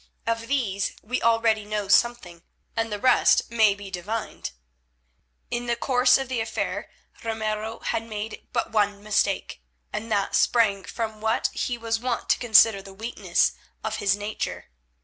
Of these we already know something, and the rest may be divined. In the course of the affair Ramiro had made but one mistake, and that sprang from what he was wont to consider the weakness of his nature.